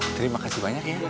terima kasih banyak ya